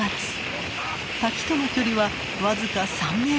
滝との距離は僅か３ｍ。